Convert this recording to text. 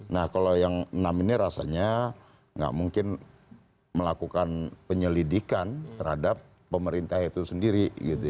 nah kalau yang enam ini rasanya nggak mungkin melakukan penyelidikan terhadap pemerintah itu sendiri